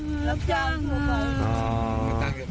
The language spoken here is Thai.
รับจ้างครับ